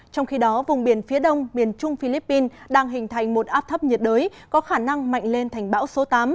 trong khi đó vùng biển phía đông miền trung philippines đang hình thành một áp thấp nhiệt đới có khả năng mạnh lên thành bão số tám